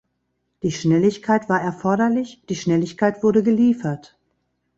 Die Schnelligkeit war erforderlich, die Schnelligkeit wurde geliefert.